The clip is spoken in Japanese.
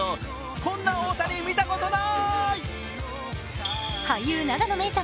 こんな大谷見たことない。